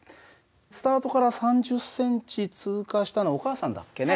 スタートから３０センチ通過したのはお母さんだっけね。